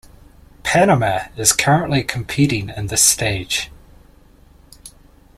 Panama is currently competing in this stage.